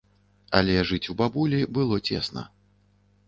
Але жыць у бабулі было цесна.